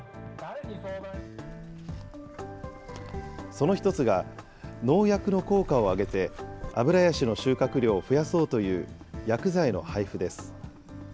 その一つが、農薬の効果を上げて、アブラヤシの収穫量を増やそうという薬剤の配布です。